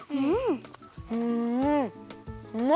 うん。